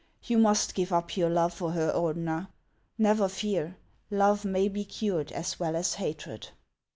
You must give up your love for her, Ordener. Never fear ; love may be cured as well as hatred."